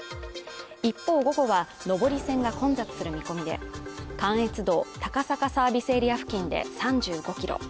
一方午後は上り線が混雑する見込みで、関越道高坂サービスエリア付近で３５キロ。